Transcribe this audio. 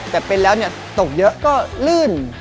แต่เป็นแล้วตกเยอะก็ลื่น